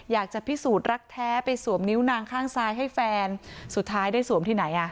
อยากจะพิสูจน์รักแท้ไปสวมนิ้วนางข้างซ้ายให้แฟนสุดท้ายได้สวมที่ไหนอ่ะ